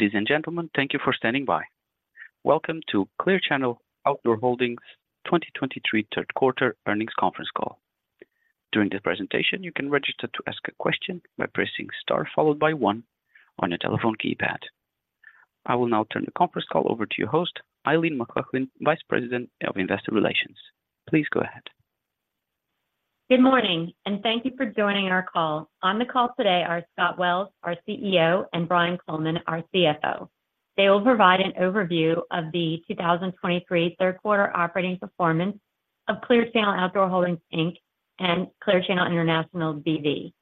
Ladies and gentlemen, thank you for standing by. Welcome to Clear Channel Outdoor Holdings' 2023 Q3 earnings conference call. During the presentation, you can register to ask a question by pressing star followed by one on your telephone keypad. I will now turn the conference call over to your host, Eileen McLaughlin, Vice President of Investor Relations. Please go ahead. Good morning, and thank you for joining our call. On the call today are Scott Wells, our CEO, and Brian Coleman, our CFO. They will provide an overview of the 2023 Q3 operating performance of Clear Channel Outdoor Holdings, Inc., and Clear Channel International BV.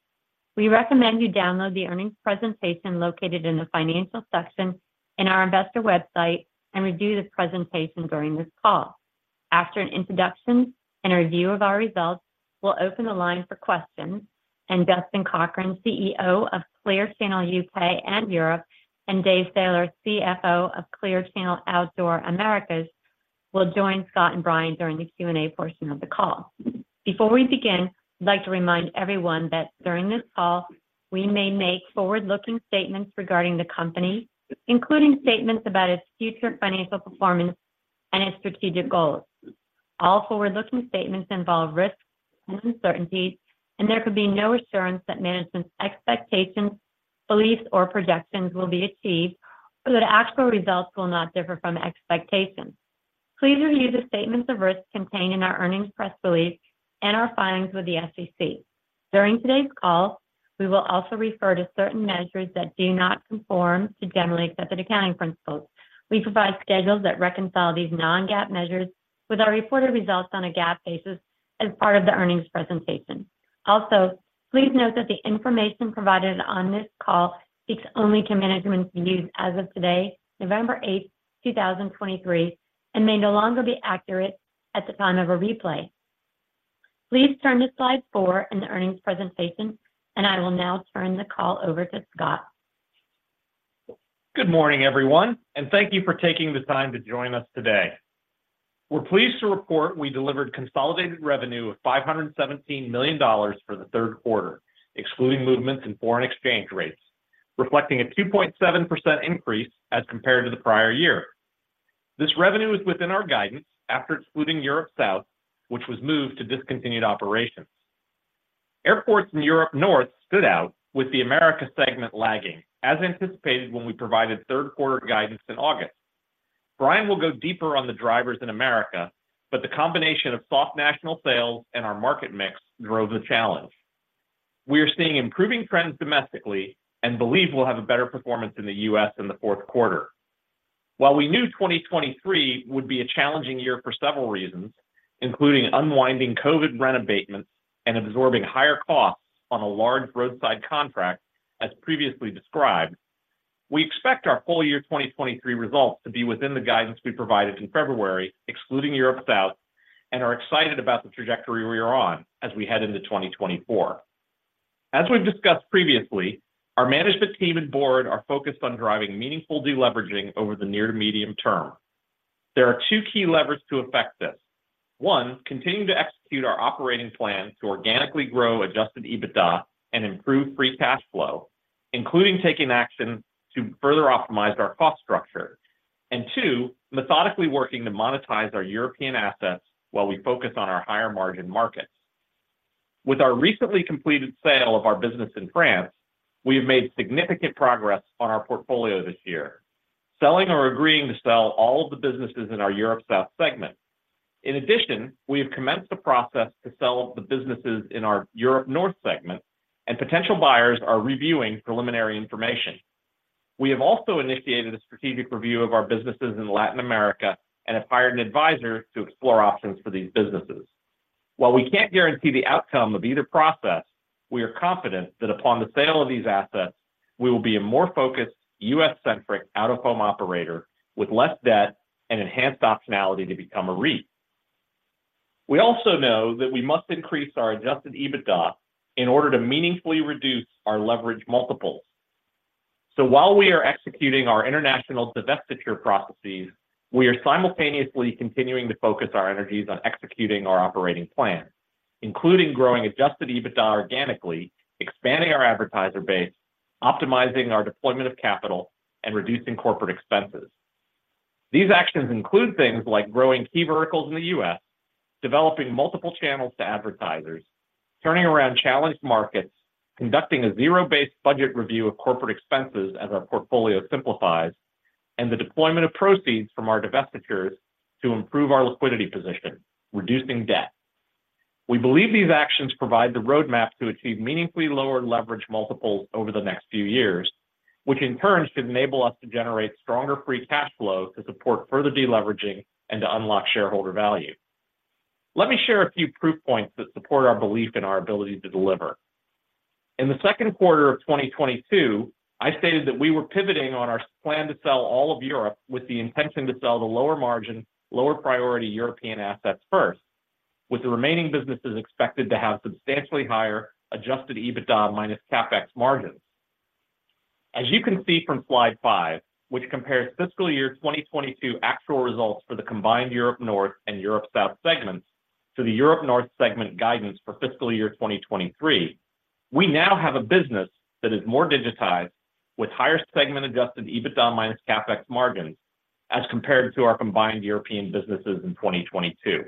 We recommend you download the earnings presentation located in the financial section in our investor website and review this presentation during this call. After an introduction and a review of our results, we'll open the line for questions, and Justin Cochrane, CEO of Clear Channel UK and Europe, and David Sailer, CFO of Clear Channel Outdoor Americas, will join Scott and Brian during the Q&A portion of the call. Before we begin, I'd like to remind everyone that during this call, we may make forward-looking statements regarding the company, including statements about its future financial performance and its strategic goals. All forward-looking statements involve risks and uncertainties, and there could be no assurance that management's expectations, beliefs, or projections will be achieved or that actual results will not differ from expectations. Please review the statements of risk contained in our earnings press release and our filings with the SEC. During today's call, we will also refer to certain measures that do not conform to generally accepted accounting principles. We provide schedules that reconcile these non-GAAP measures with our reported results on a GAAP basis as part of the earnings presentation. Also, please note that the information provided on this call speaks only to management's views as of today, November 8, 2023, and may no longer be accurate at the time of a replay. Please turn to slide 4 in the earnings presentation, and I will now turn the call over to Scott. Good morning, everyone, and thank you for taking the time to join us today. We're pleased to report we delivered consolidated revenue of $517 million for the Q3, excluding movements in foreign exchange rates, reflecting a 2.7% increase as compared to the prior year. This revenue is within our guidance after excluding Europe South, which was moved to discontinued operations. Airports in Europe North stood out, with the America segment lagging, as anticipated when we provided Q3 guidance in August. Brian will go deeper on the drivers in America, but the combination of soft national sales and our market mix drove the challenge. We are seeing improving trends domestically and believe we'll have a better performance in the U.S. in the Q4. While we knew 2023 would be a challenging year for several reasons, including unwinding COVID rent abatements and absorbing higher costs on a large roadside contract, as previously described, we expect our full year 2023 results to be within the guidance we provided in February, excluding Europe South, and are excited about the trajectory we are on as we head into 2024. As we've discussed previously, our management team and board are focused on driving meaningful deleveraging over the near to medium term. There are two key levers to affect this. One, continuing to execute our operating plan to organically grow Adjusted EBITDA and improve free cash flow, including taking action to further optimize our cost structure. And two, methodically working to monetize our European assets while we focus on our higher-margin markets. With our recently completed sale of our business in France, we have made significant progress on our portfolio this year, selling or agreeing to sell all of the businesses in our Europe South segment. In addition, we have commenced the process to sell the businesses in our Europe North segment, and potential buyers are reviewing preliminary information. We have also initiated a strategic review of our businesses in Latin America and have hired an advisor to explore options for these businesses. While we can't guarantee the outcome of either process, we are confident that upon the sale of these assets, we will be a more focused U.S.-centric out-of-home operator with less debt and enhanced optionality to become a REIT. We also know that we must increase our Adjusted EBITDA in order to meaningfully reduce our leverage multiples. So while we are executing our international divestiture processes, we are simultaneously continuing to focus our energies on executing our operating plan, including growing Adjusted EBITDA organically, expanding our advertiser base, optimizing our deployment of capital, and reducing corporate expenses. These actions include things like growing key verticals in the U.S., developing multiple channels to advertisers, turning around challenged markets, conducting a zero-based budget review of corporate expenses as our portfolio simplifies, and the deployment of proceeds from our divestitures to improve our liquidity position, reducing debt. We believe these actions provide the roadmap to achieve meaningfully lower leverage multiples over the next few years, which in turn should enable us to generate stronger free cash flow to support further deleveraging and to unlock shareholder value. Let me share a few proof points that support our belief in our ability to deliver. In the Q2 of 2022, I stated that we were pivoting on our plan to sell all of Europe with the intention to sell the lower margin, lower priority European assets first, with the remaining businesses expected to have substantially higher adjusted EBITDA minus CapEx margins. As you can see from slide 5, which compares fiscal year 2022 actual results for the combined Europe North and Europe South segments to the Europe North segment guidance for fiscal year 2023. We now have a business that is more digitized, with higher segment-adjusted EBITDA minus CapEx margins as compared to our combined European businesses in 2022.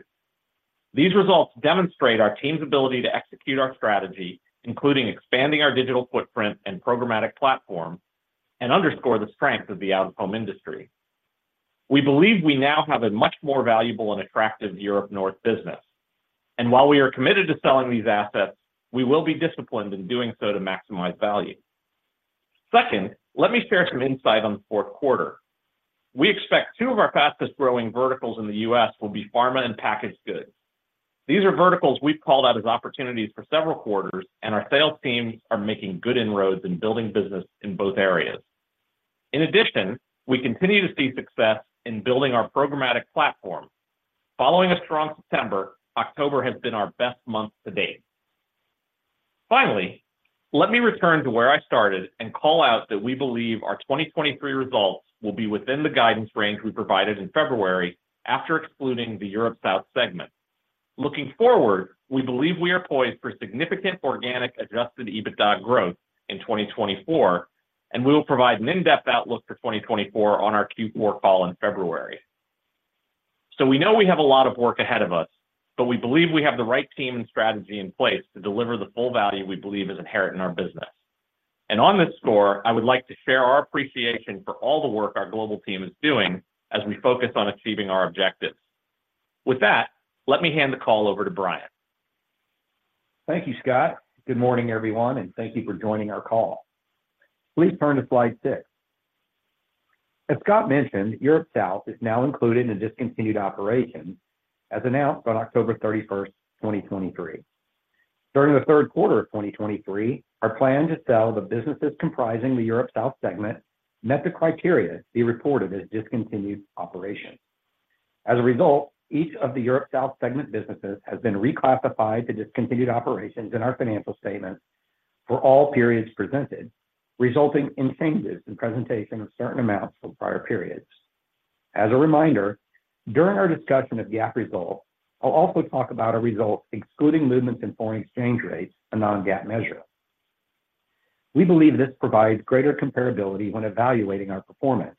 These results demonstrate our team's ability to execute our strategy, including expanding our digital footprint and programmatic platform, and underscore the strength of the out-of-home industry. We believe we now have a much more valuable and attractive Europe North business, and while we are committed to selling these assets, we will be disciplined in doing so to maximize value. Second, let me share some insight on the Q4. We expect two of our fastest-growing verticals in the U.S. will be pharma and packaged goods. These are verticals we've called out as opportunities for several quarters, and our sales teams are making good inroads in building business in both areas. In addition, we continue to see success in building our programmatic platform. Following a strong September, October has been our best month to date. Finally, let me return to where I started and call out that we believe our 2023 results will be within the guidance range we provided in February, after excluding the Europe South segment. Looking forward, we believe we are poised for significant organic Adjusted EBITDA growth in 2024, and we will provide an in-depth outlook for 2024 on our Q4 call in February. So we know we have a lot of work ahead of us, but we believe we have the right team and strategy in place to deliver the full value we believe is inherent in our business. And on this score, I would like to share our appreciation for all the work our global team is doing as we focus on achieving our objectives. With that, let me hand the call over to Brian. Thank you, Scott. Good morning, everyone, and thank you for joining our call. Please turn to slide 6. As Scott mentioned, Europe South is now included in discontinued operations, as announced on October 31st, 2023. During the Q3 of 2023, our plan to sell the businesses comprising the Europe South segment met the criteria to be reported as discontinued operations. As a result, each of the Europe South segment businesses has been reclassified to discontinued operations in our financial statements for all periods presented, resulting in changes in presentation of certain amounts from prior periods. As a reminder, during our discussion of GAAP results, I'll also talk about our results excluding movements in foreign exchange rates, a non-GAAP measure. We believe this provides greater comparability when evaluating our performance.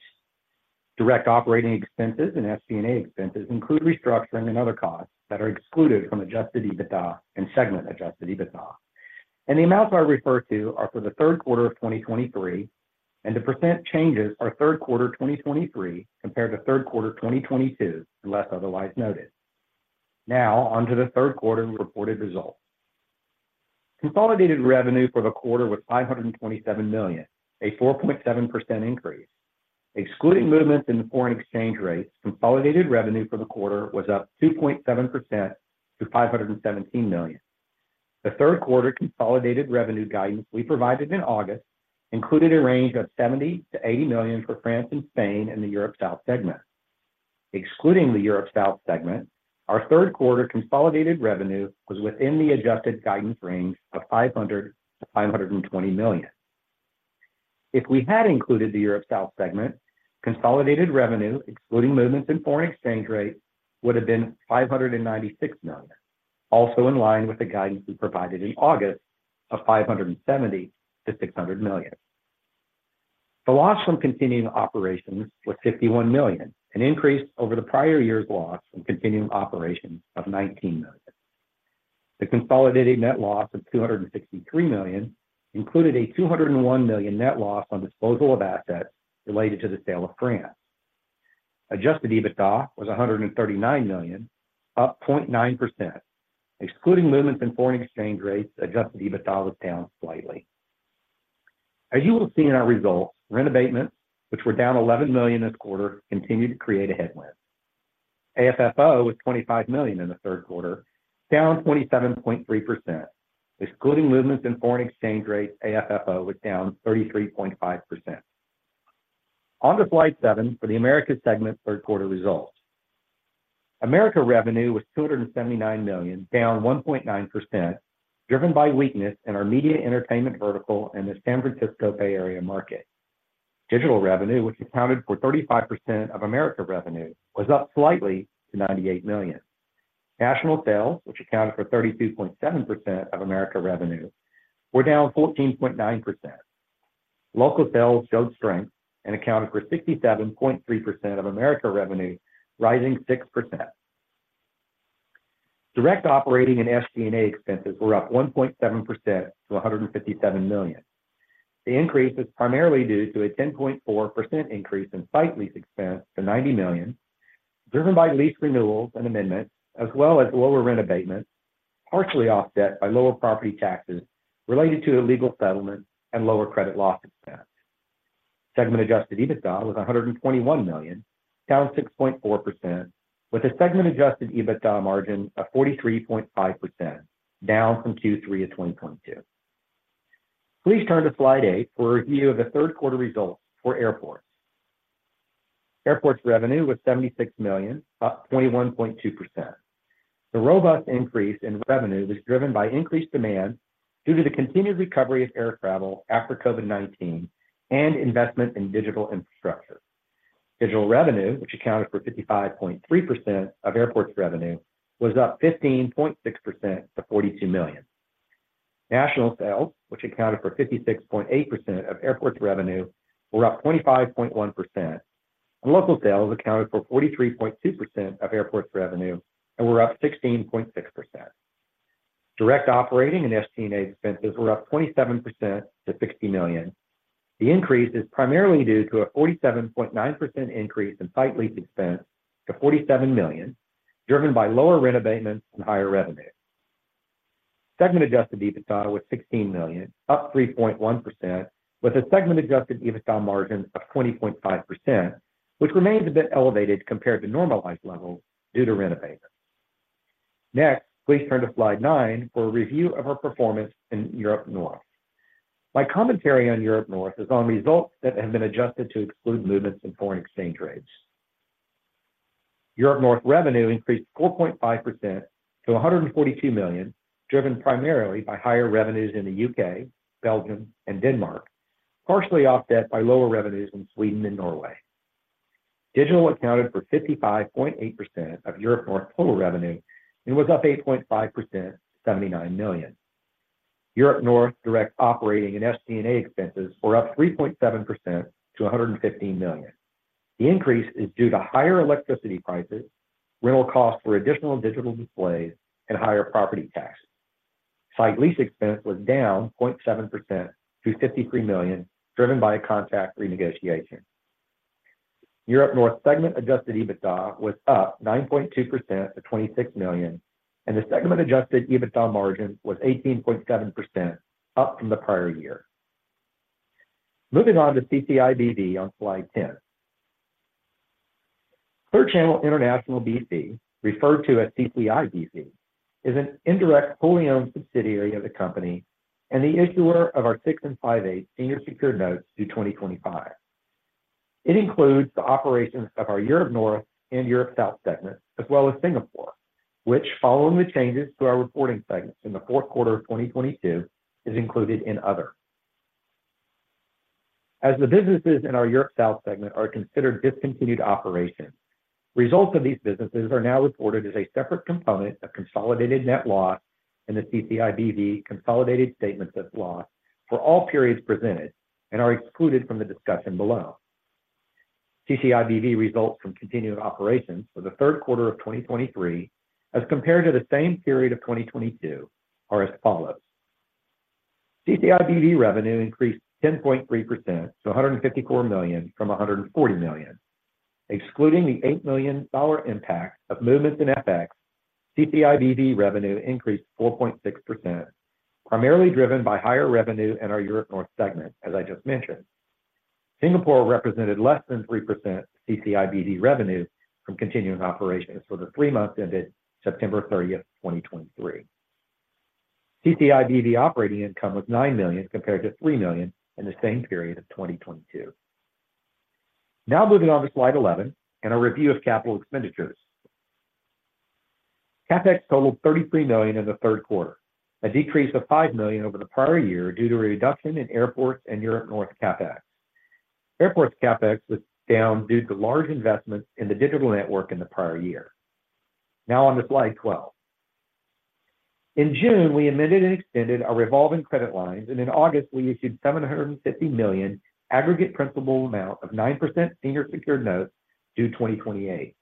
Direct operating expenses and SG&A expenses include restructuring and other costs that are excluded from Adjusted EBITDA and segment Adjusted EBITDA. The amounts I refer to are for the Q3 of 2023, and the % changes are Q3 2023 compared to Q3 2022, unless otherwise noted. Now, on to the Q3 reported results. Consolidated revenue for the quarter was $527 million, a 4.7% increase. Excluding movements in the foreign exchange rates, consolidated revenue for the quarter was up 2.7% to $517 million. The Q3 consolidated revenue guidance we provided in August included a range of $70-80 million for France and Spain in the Europe South segment. Excluding the Europe South segment, our Q3 consolidated revenue was within the adjusted guidance range of $500-520 million. If we had included the Europe South segment, consolidated revenue, excluding movements in foreign exchange rates, would have been $596 million, also in line with the guidance we provided in August of $570-600 million. The loss from continuing operations was $51 million, an increase over the prior year's loss from continuing operations of $19 million. The consolidated net loss of $263 million included a $201 million net loss on disposal of assets related to the sale of France. Adjusted EBITDA was $139 million, up 0.9%. Excluding movements in foreign exchange rates, adjusted EBITDA was down slightly. As you will see in our results, rent abatements, which were down $11 million this quarter, continued to create a headwind. AFFO was $25 million in the Q3, down 27.3%. Excluding movements in foreign exchange rates, AFFO was down 33.5%. On to slide seven for the America segment Q3 results. America revenue was $279 million, down 1.9%, driven by weakness in our media entertainment vertical and the San Francisco Bay Area market. Digital revenue, which accounted for 35% of America revenue, was up slightly to $98 million. National sales, which accounted for 32.7% of America revenue, were down 14.9%. Local sales showed strength and accounted for 67.3% of America revenue, rising 6%. Direct operating and FC&A expenses were up 1.7% to $157 million. The increase is primarily due to a 10.4% increase in site lease expense to $90 million, driven by lease renewals and amendments, as well as lower rent abatements, partially offset by lower property taxes related to a legal settlement and lower credit loss expense. Segment Adjusted EBITDA was $121 million, down 6.4%, with a segment Adjusted EBITDA margin of 43.5%, down from Q3 of 2022. Please turn to slide 8 for a review of the Q3 results for airports. Airports revenue was $76 million, up 21.2%. The robust increase in revenue was driven by increased demand due to the continued recovery of air travel after COVID-19 and investment in digital infrastructure.... Digital revenue, which accounted for 55.3% of Airports revenue, was up 15.6% to $42 million. National sales, which accounted for 56.8% of Airports revenue, were up 25.1%, and local sales accounted for 43.2% of Airports revenue and were up 16.6%. Direct operating and SC&A expenses were up 27% to $60 million. The increase is primarily due to a 47.9% increase in site lease expense to $47 million, driven by lower rent abatements and higher revenue. Segment adjusted EBITDA was $16 million, up 3.1%, with a segment adjusted EBITDA margin of 20.5%, which remains a bit elevated compared to normalized levels due to rent abatement. Next, please turn to slide 9 for a review of our performance in Europe North. My commentary on Europe North is on results that have been adjusted to exclude movements in foreign exchange rates. Europe North revenue increased 4.5% to $142 million, driven primarily by higher revenues in the UK, Belgium, and Denmark, partially offset by lower revenues in Sweden and Norway. Digital accounted for 55.8% of Europe North total revenue and was up 8.5% to $79 million. Europe North direct operating and SC&A expenses were up 3.7% to $115 million. The increase is due to higher electricity prices, rental costs for additional digital displays, and higher property taxes. Site lease expense was down 0.7% to $53 million, driven by a contract renegotiation. Europe North segment Adjusted EBITDA was up 9.2% to $26 million, and the segment Adjusted EBITDA margin was 18.7%, up from the prior year. Moving on to CCIBV on slide 10. Clear Channel International BV, referred to as CCIBV, is an indirect, fully-owned subsidiary of the company and the issuer of our 6 5/8 senior secured notes due 2025. It includes the operations of our Europe North and Europe South segments, as well as Singapore, which, following the changes to our reporting segments in the Q4 of 2022, is included in other. As the businesses in our Europe South segment are considered discontinued operations, results of these businesses are now reported as a separate component of consolidated net loss in the CCIBV consolidated statement of loss for all periods presented and are excluded from the discussion below. CCIBV results from continuing operations for the Q3 of 2023, as compared to the same period of 2022, are as follows: CCIBV revenue increased 10.3% to $154 million from $140 million. Excluding the $8 million impact of movements in FX, CCIBV revenue increased 4.6%, primarily driven by higher revenue in our Europe North segment, as I just mentioned. Singapore represented less than 3% of CCIBV revenue from continuing operations for the three months ended September 30, 2023. CCIBV operating income was $9 million, compared to $3 million in the same period of 2022. Now moving on to slide 11 and a review of capital expenditures. CapEx totaled $33 million in the Q3, a decrease of $5 million over the prior year due to a reduction in Airports and Europe North CapEx. Airports CapEx was down due to large investments in the digital network in the prior year. Now on to slide 12. In June, we amended and extended our revolving credit lines, and in August, we issued $750 million aggregate principal amount of 9% senior secured notes due 2028.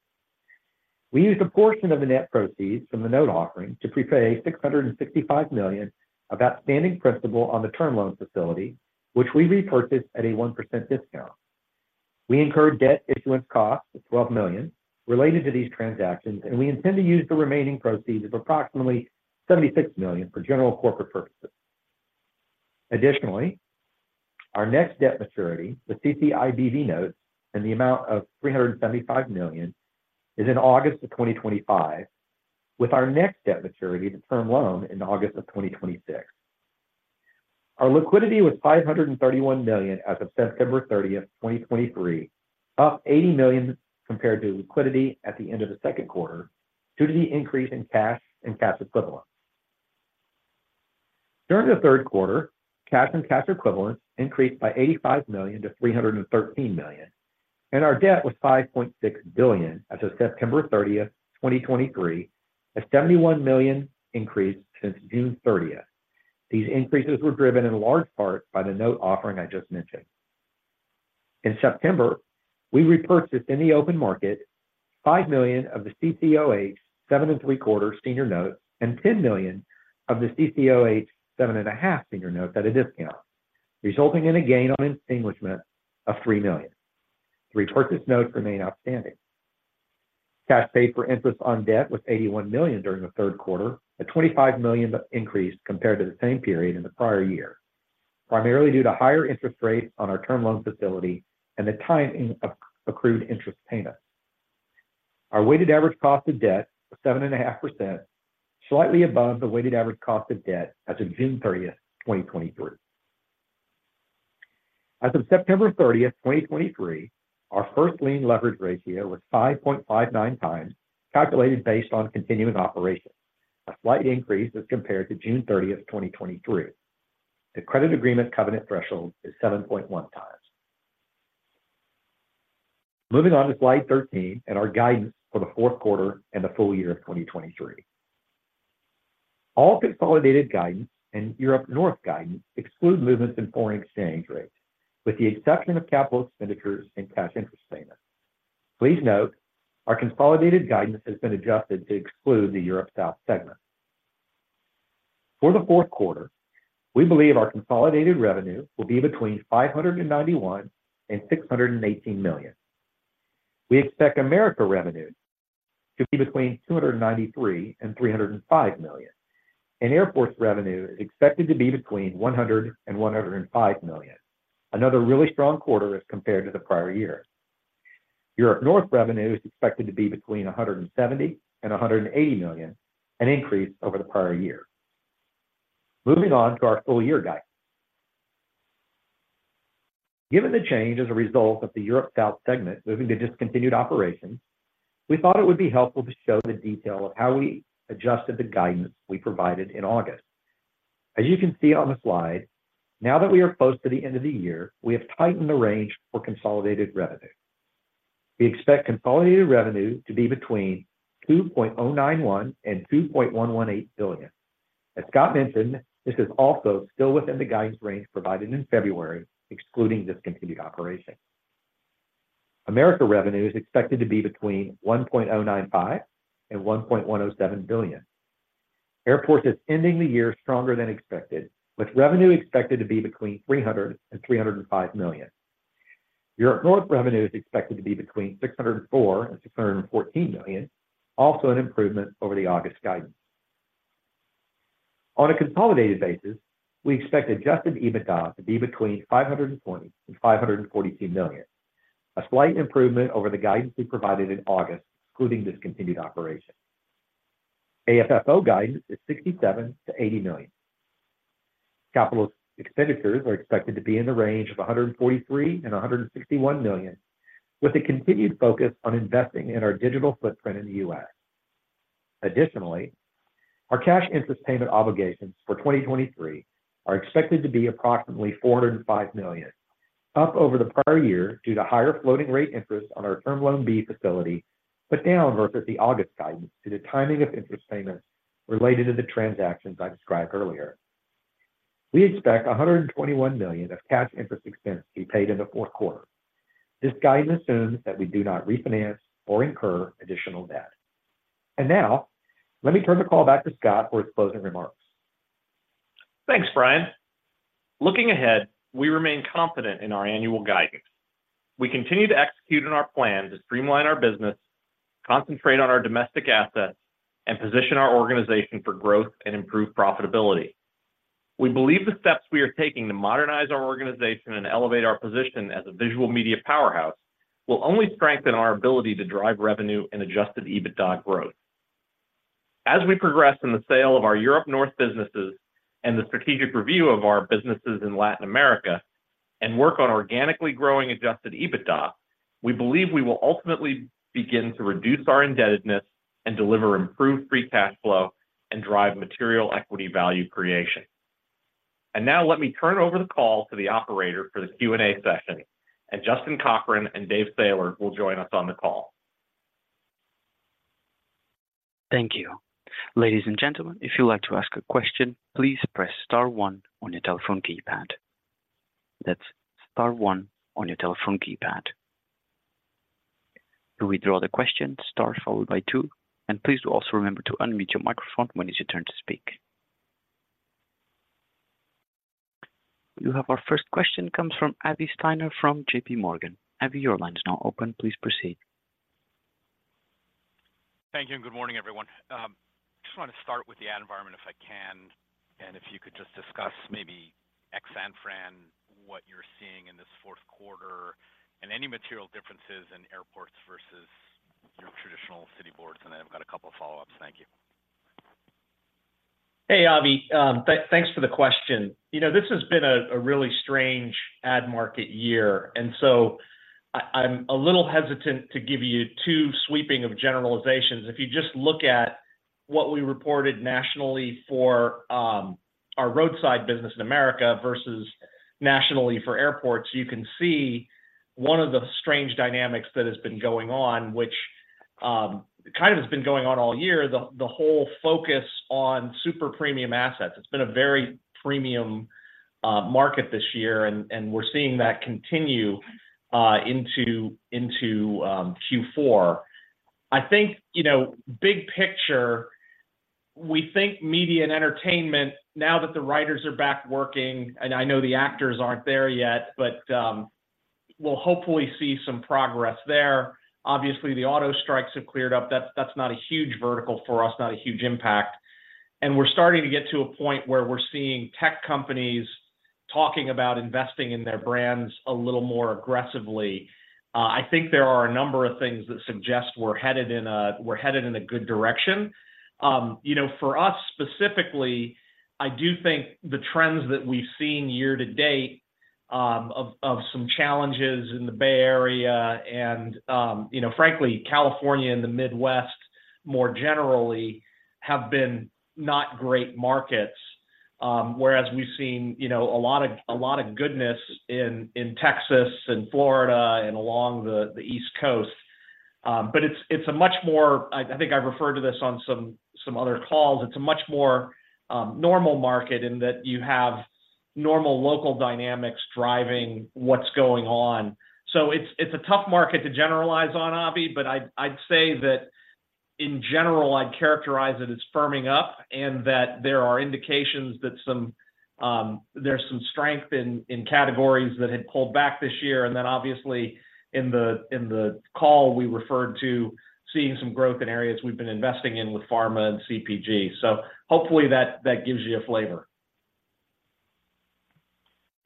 We used a portion of the net proceeds from the note offering to prepay $665 million of outstanding principal on the term loan facility, which we repurchased at a 1% discount. We incurred debt issuance costs of $12 million related to these transactions, and we intend to use the remaining proceeds of approximately $76 million for general corporate purposes. Additionally, our next debt maturity, the CCIBV notes, in the amount of $375 million, is in August 2025, with our next debt maturity, the term loan, in August 2026. Our liquidity was $531 million as of September 30, 2023, up $80 million compared to liquidity at the end of the Q2, due to the increase in cash and cash equivalents. During the Q3, cash and cash equivalents increased by $85 million to $313 million, and our debt was $5.6 billion as of September 30, 2023, a $71 million increase since June 30. These increases were driven in large part by the note offering I just mentioned. In September, we repurchased in the open market $5 million of the CCOH 7.75% senior notes and $10 million of the CCOH 7.5% senior notes at a discount, resulting in a gain on extinguishment of $3 million. The repurchased notes remain outstanding. Cash paid for interest on debt was $81 million during the Q3, a $25 million increase compared to the same period in the prior year, primarily due to higher interest rates on our term loan facility and the timing of accrued interest payments. Our weighted average cost of debt was 7.5%, slightly above the weighted average cost of debt as of June 30, 2023. As of September 30, 2023, our first lien leverage ratio was 5.59x, calculated based on continuing operations, a slight increase as compared to June 30, 2023.... The credit agreement covenant threshold is 7.1 times. Moving on to Slide 13 and our guidance for the Q4 and the full year of 2023. All consolidated guidance and Europe North guidance exclude movements in foreign exchange rates, with the exception of capital expenditures and cash interest payments. Please note, our consolidated guidance has been adjusted to exclude the Europe South segment. For the Q4, we believe our consolidated revenue will be between $591 million and $618 million. We expect America revenue to be between $293 million and $305 million, and Airport's revenue is expected to be between $100 million and $105 million, another really strong quarter as compared to the prior year. Europe North revenue is expected to be between $170 million and $180 million, an increase over the prior year. Moving on to our full-year guidance. Given the change as a result of the Europe South segment moving to discontinued operations, we thought it would be helpful to show the detail of how we adjusted the guidance we provided in August. As you can see on the slide, now that we are close to the end of the year, we have tightened the range for consolidated revenue. We expect consolidated revenue to be between $2.091 billion and $2.118 billion. As Scott mentioned, this is also still within the guidance range provided in February, excluding discontinued operations. America revenue is expected to be between $1.095 billion and $1.107 billion. Airports is ending the year stronger than expected, with revenue expected to be between $300 million and $305 million. Europe North revenue is expected to be between $604 million and $614 million, also an improvement over the August guidance. On a consolidated basis, we expect Adjusted EBITDA to be between $520 million and $542 million, a slight improvement over the guidance we provided in August, excluding discontinued operations. AFFO guidance is $67-80 million. Capital expenditures are expected to be in the range of $143 million and $161 million, with a continued focus on investing in our digital footprint in the U.S. Additionally, our cash interest payment obligations for 2023 are expected to be approximately $405 million, up over the prior year due to higher floating rate interest on our Term Loan B facility, but down versus the August guidance due to timing of interest payments related to the transactions I described earlier. We expect $121 million of cash interest expense to be paid in the Q4. This guidance assumes that we do not refinance or incur additional debt. And now, let me turn the call back to Scott for his closing remarks. Thanks, Brian. Looking ahead, we remain confident in our annual guidance. We continue to execute on our plan to streamline our business, concentrate on our domestic assets, and position our organization for growth and improved profitability. We believe the steps we are taking to modernize our organization and elevate our position as a visual media powerhouse will only strengthen our ability to drive revenue and Adjusted EBITDA growth. As we progress in the sale of our Europe North businesses and the strategic review of our businesses in Latin America and work on organically growing Adjusted EBITDA, we believe we will ultimately begin to reduce our indebtedness and deliver improved free cash flow and drive material equity value creation. And now let me turn over the call to the operator for the Q&A session, and Justin Cochrane and Dave Sailer will join us on the call. Thank you. Ladies and gentlemen, if you'd like to ask a question, please press star one on your telephone keypad. That's star one on your telephone keypad. To withdraw the question, star followed by two, and please do also remember to unmute your microphone when it's your turn to speak. You have our first question comes from Avi Steiner from JP Morgan. Avi, your line is now open. Please proceed. Thank you, and good morning, everyone. Just want to start with the ad environment, if I can, and if you could just discuss maybe ex San Fran, what you're seeing in this Q4, and any material differences in airports versus your traditional city boards, and I've got a couple of follow-ups. Thank you. Hey, Avi, thanks for the question. You know, this has been a really strange ad market year, and so I'm a little hesitant to give you too sweeping generalizations. If you just look at what we reported nationally for our roadside business in America versus nationally for airports, you can see one of the strange dynamics that has been going on, which kind of has been going on all year, the whole focus on super premium assets. It's been a very premium market this year, and we're seeing that continue into Q4. I think, you know, big picture, we think media and entertainment, now that the writers are back working, and I know the actors aren't there yet, but we'll hopefully see some progress there. Obviously, the auto strikes have cleared up. That's, that's not a huge vertical for us, not a huge impact. And we're starting to get to a point where we're seeing tech companies talking about investing in their brands a little more aggressively. I think there are a number of things that suggest we're headed in a good direction. You know, for us specifically, I do think the trends that we've seen year to date of some challenges in the Bay Area and, you know, frankly, California and the Midwest, more generally, have been not great markets. Whereas we've seen, you know, a lot of, a lot of goodness in Texas and Florida and along the East Coast. But it's a much more—I think I referred to this on some other calls. It's a much more normal market in that you have normal local dynamics driving what's going on. So it's a tough market to generalize on, Avi, but I'd say that in general, I'd characterize it as firming up, and that there are indications that there's some strength in categories that had pulled back this year. And then, obviously, in the call, we referred to seeing some growth in areas we've been investing in with pharma and CPG. So hopefully that gives you a flavor.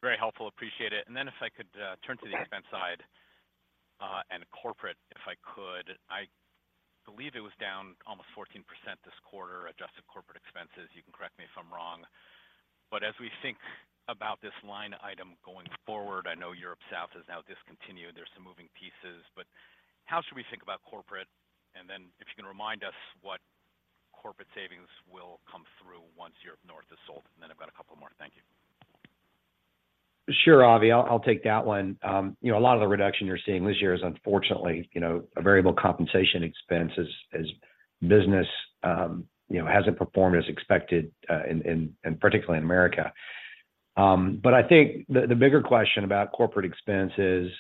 Very helpful. Appreciate it. Then if I could, turn to the- Okay... expense side, and corporate, if I could. I believe it was down almost 14% this quarter, adjusted corporate expenses. You can correct me if I'm wrong. But as we think about this line item going forward, I know Europe South is now discontinued, there's some moving pieces, but how should we think about corporate? And then if you can remind us what corporate savings will come through once Europe North is sold. And then I've got a couple more. Thank you. Sure, Avi, I'll take that one. You know, a lot of the reduction you're seeing this year is unfortunately, you know, a variable compensation expense as business, you know, hasn't performed as expected, in particularly in America. But I think the bigger question about corporate expense is,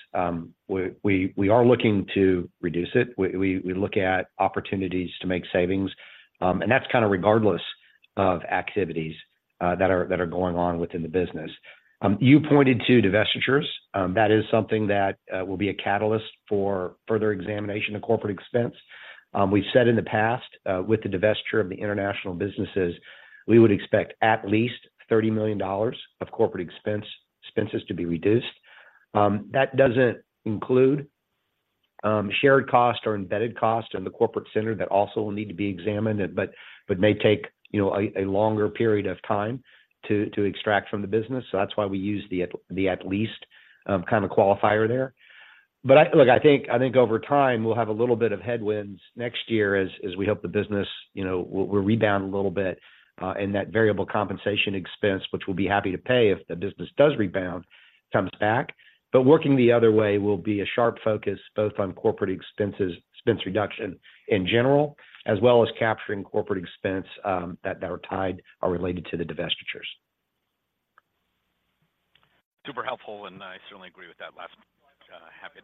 we are looking to reduce it. We look at opportunities to make savings, and that's kind of regardless of activities, that are going on within the business. You pointed to divestitures. That is something that will be a catalyst for further examination of corporate expense. We've said in the past, with the divestiture of the international businesses, we would expect at least $30 million of corporate expenses to be reduced. That doesn't include shared cost or embedded cost in the corporate center that also will need to be examined, but may take, you know, a longer period of time to extract from the business. So that's why we use the at least kind of qualifier there. But look, I think over time, we'll have a little bit of headwinds next year as we hope the business, you know, will rebound a little bit, and that variable compensation expense, which we'll be happy to pay if the business does rebound, comes back. But working the other way will be a sharp focus, both on corporate expenses, expense reduction in general, as well as capturing corporate expense that are tied or related to the divestitures. Super helpful, and I certainly agree with that last...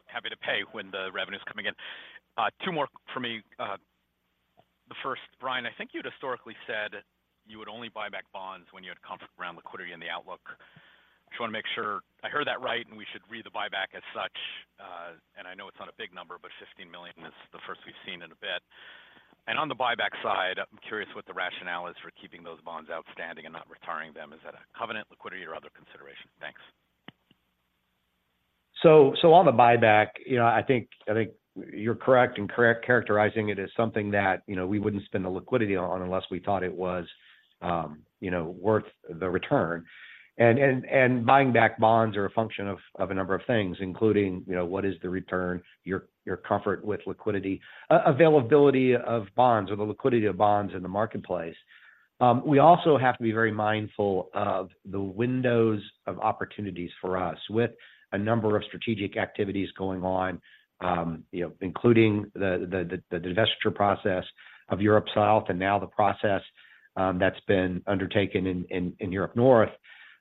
happy to pay when the revenue's coming in. Two more for me. The first, Brian, I think you'd historically said you would only buy back bonds when you had comfort around liquidity in the outlook. Just wanna make sure I heard that right, and we should read the buyback as such. And I know it's not a big number, but $15 million is the first we've seen in a bit. And on the buyback side, I'm curious what the rationale is for keeping those bonds outstanding and not retiring them. Is that a covenant, liquidity, or other consideration? Thanks. So on the buyback, you know, I think you're correct in characterizing it as something that, you know, we wouldn't spend the liquidity on unless we thought it was, you know, worth the return. And buying back bonds are a function of a number of things, including, you know, what is the return, your comfort with liquidity, availability of bonds or the liquidity of bonds in the marketplace. We also have to be very mindful of the windows of opportunities for us. With a number of strategic activities going on, you know, including the divestiture process of Europe South, and now the process that's been undertaken in Europe North,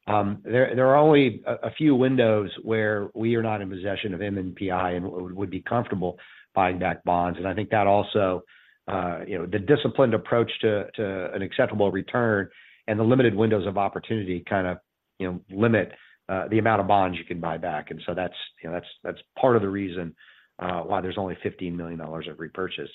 there are only a few windows where we are not in possession of MNPI and would be comfortable buying back bonds. And I think that also, you know, the disciplined approach to an acceptable return and the limited windows of opportunity kind of, you know, limit the amount of bonds you can buy back. And so that's, you know, that's part of the reason why there's only $15 million of repurchase.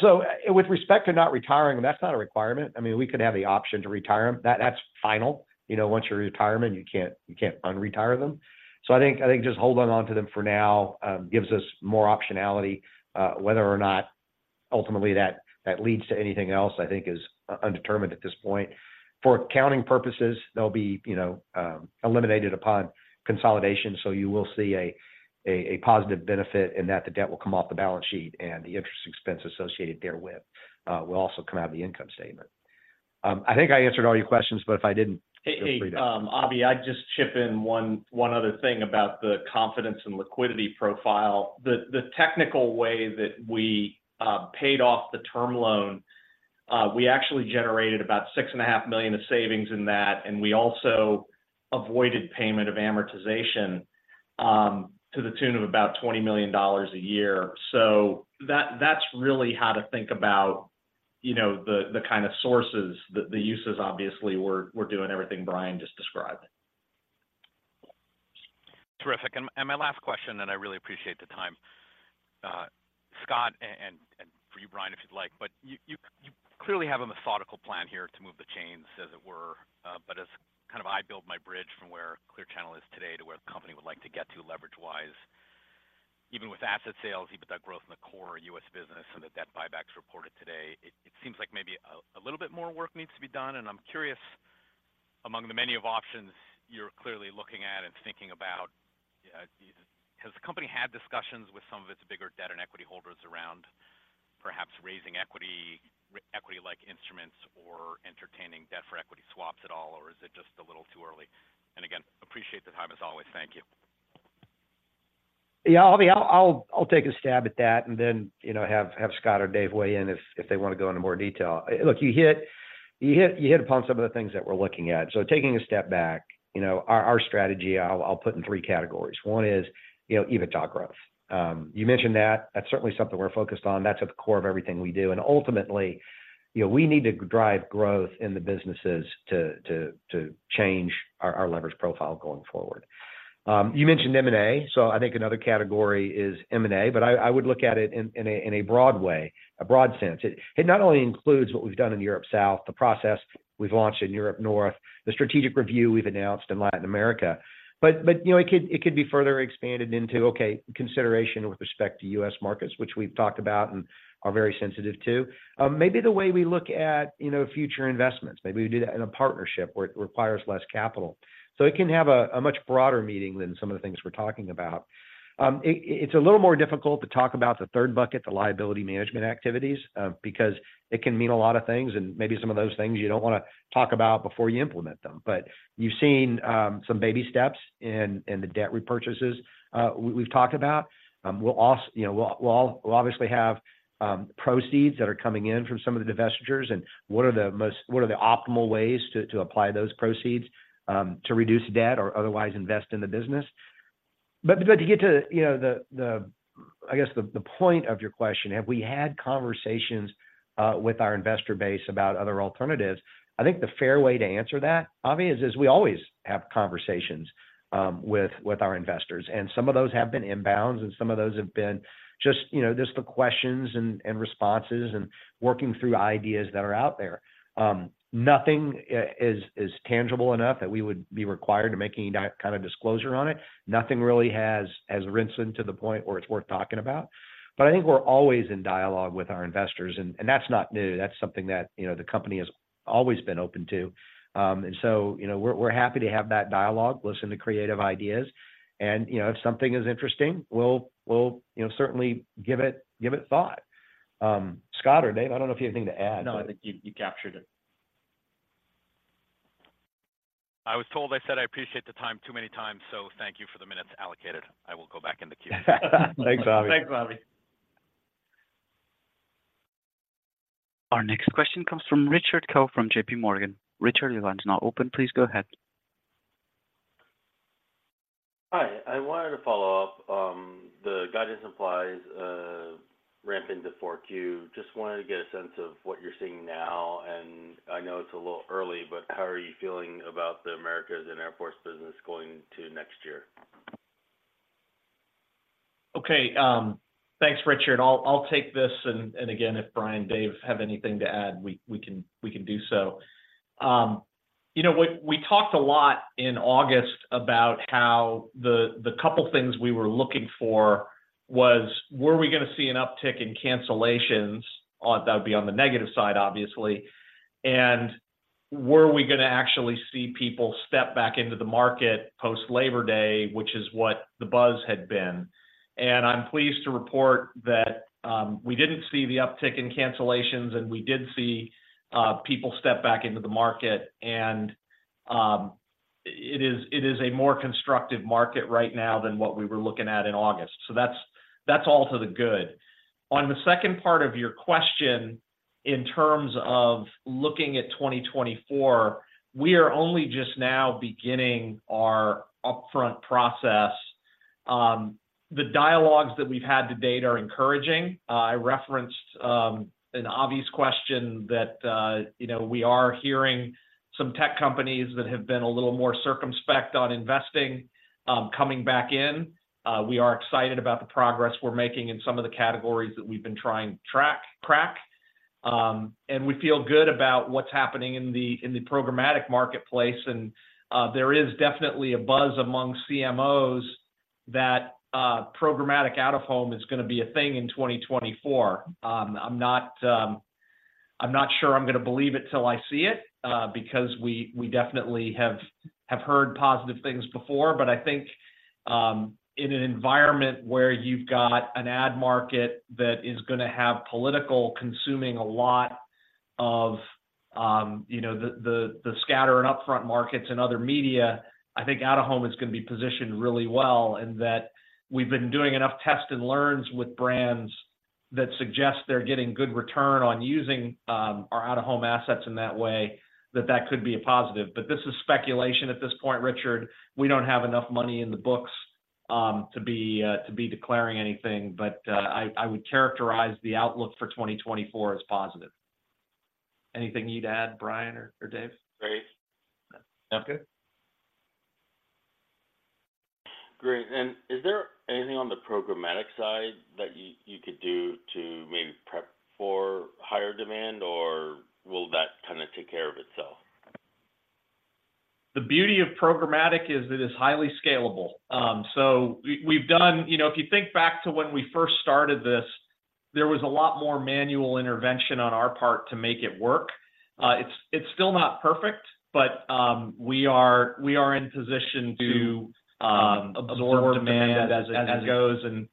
So with respect to not retiring, that's not a requirement. I mean, we could have the option to retire them. That's final. You know, once you retire them, you can't, you can't unretire them. So I think, I think just holding on to them for now gives us more optionality. Whether or not ultimately that leads to anything else, I think is undetermined at this point. For accounting purposes, they'll be, you know, eliminated upon consolidation, so you will see a positive benefit in that the debt will come off the balance sheet, and the interest expense associated therewith will also come out of the income statement. I think I answered all your questions, but if I didn't, feel free to- Hey, Avi, I'd just chip in one other thing about the confidence and liquidity profile. The technical way that we paid off the term loan, we actually generated about $6.5 million of savings in that, and we also avoided payment of amortization to the tune of about $20 million a year. So that's really how to think about, you know, the kind of sources, the uses, obviously, we're doing everything Brian just described. Terrific. And my last question, and I really appreciate the time. Scott, and for you, Brian, if you'd like, but you clearly have a methodical plan here to move the chains, as it were. But as kind of I build my bridge from where Clear Channel is today to where the company would like to get to, leverage-wise, even with asset sales, EBITDA growth in the core U.S. business and the debt buybacks reported today, it seems like maybe a little bit more work needs to be done. And I'm curious, among the many options you're clearly looking at and thinking about, has the company had discussions with some of its bigger debt and equity holders around perhaps raising equity, equity-like instruments or entertaining debt for equity swaps at all? Or is it just a little too early? And again, appreciate the time, as always. Thank you. Yeah, Avi, I'll take a stab at that and then, you know, have Scott or Dave weigh in if they wanna go into more detail. Look, you hit upon some of the things that we're looking at. So taking a step back, you know, our strategy, I'll put in three categories. One is, you know, EBITDA growth. You mentioned that. That's certainly something we're focused on. That's at the core of everything we do, and ultimately, you know, we need to drive growth in the businesses to change our leverage profile going forward. You mentioned M&A, so I think another category is M&A, but I would look at it in a broad way, a broad sense. It not only includes what we've done in Europe South, the process we've launched in Europe North, the strategic review we've announced in Latin America, but you know, it could be further expanded into consideration with respect to U.S. markets, which we've talked about and are very sensitive to. Maybe the way we look at, you know, future investments. Maybe we do that in a partnership where it requires less capital. So it can have a much broader meaning than some of the things we're talking about. It's a little more difficult to talk about the third bucket, the liability management activities, because it can mean a lot of things, and maybe some of those things you don't wanna talk about before you implement them. But you've seen some baby steps in the debt repurchases we've talked about. You know, we'll obviously have proceeds that are coming in from some of the divestitures, and what are the optimal ways to apply those proceeds to reduce debt or otherwise invest in the business? But to get to, you know, I guess the point of your question, have we had conversations with our investor base about other alternatives? I think the fair way to answer that, Avi, is we always have conversations with our investors, and some of those have been inbounds, and some of those have been just, you know, just the questions and responses and working through ideas that are out there. Nothing is tangible enough that we would be required to make any kind of disclosure on it. Nothing really has rinsed into the point where it's worth talking about. But I think we're always in dialogue with our investors, and that's not new. That's something that, you know, the company has always been open to. And so, you know, we're happy to have that dialogue, listen to creative ideas, and, you know, if something is interesting, we'll certainly give it thought. Scott or Dave, I don't know if you have anything to add. No, I think you captured it. I was told I said I appreciate the time too many times, so thank you for the minutes allocated. I will go back in the queue. Thanks, Avi. Thanks, Avi. Our next question comes from Richard Choe from JP Morgan. Richard, your line is now open. Please go ahead. Hi, I wanted to follow up, the guidance implies ramp into Q4. Just wanted to get a sense of what you're seeing now, and I know it's a little early, but how are you feeling about the Americas and Airports business going into next year? Okay, thanks, Richard. I'll take this, and again, if Brian, Dave, have anything to add, we can do so. You know what? We talked a lot in August about how the couple things we were looking for were we gonna see an uptick in cancellations on—that would be on the negative side, obviously, and were we gonna actually see people step back into the market post Labor Day, which is what the buzz had been. And I'm pleased to report that, we didn't see the uptick in cancellations, and we did see people step back into the market. And, it is a more constructive market right now than what we were looking at in August. So that's all to the good. On the second part of your question, in terms of looking at 2024, we are only just now beginning our upfront process. The dialogues that we've had to date are encouraging. I referenced an obvious question that, you know, we are hearing some tech companies that have been a little more circumspect on investing coming back in. We are excited about the progress we're making in some of the categories that we've been trying to crack, and we feel good about what's happening in the programmatic marketplace. There is definitely a buzz among CMOs that programmatic out-of-home is gonna be a thing in 2024. I'm not sure I'm gonna believe it till I see it, because we definitely have heard positive things before, but I think, in an environment where you've got an ad market that is gonna have political consuming a lot of, you know, the scatter and upfront markets and other media, I think out-of-home is gonna be positioned really well, and that we've been doing enough test and learns with brands that suggest they're getting good return on using, our out-of-home assets in that way, that could be a positive. But this is speculation at this point, Richard. We don't have enough money in the books to be declaring anything, but I would characterize the outlook for 2024 as positive. Anything you'd add, Brian or Dave? Great. No, I'm good. Great. Is there anything on the programmatic side that you could do? Higher demand, or will that kind of take care of itself? The beauty of programmatic is it is highly scalable. So we've done. You know, if you think back to when we first started this, there was a lot more manual intervention on our part to make it work. It's still not perfect, but we are in position to absorb demand- Absorb demand As it goes. And,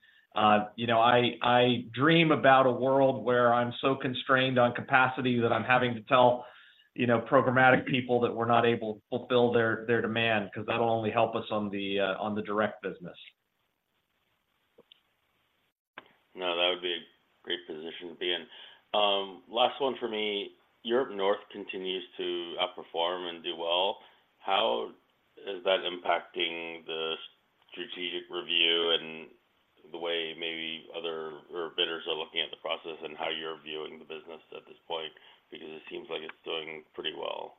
you know, I dream about a world where I'm so constrained on capacity that I'm having to tell, you know, programmatic people that we're not able to fulfill their demand, 'cause that'll only help us on the direct business. No, that would be a great position to be in. Last one for me. Europe North continues to outperform and do well. How is that impacting the strategic review and the way maybe other or bidders are looking at the process, and how you're viewing the business at this point? Because it seems like it's doing pretty well.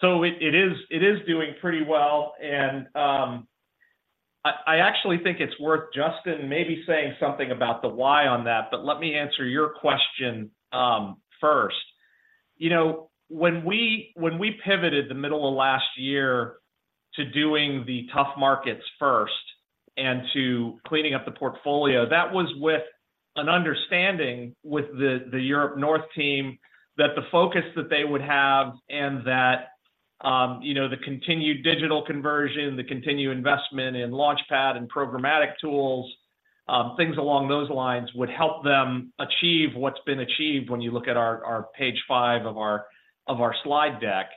So it is doing pretty well. And I actually think it's worth Justin maybe saying something about the why on that, but let me answer your question first. You know, when we pivoted the middle of last year to doing the tough markets first and to cleaning up the portfolio, that was with an understanding with the Europe North team that the focus that they would have and that, you know, the continued digital conversion, the continued investment in LaunchPAD and programmatic tools, things along those lines, would help them achieve what's been achieved when you look at our page five of our slide deck.